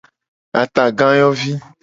Atagayovi.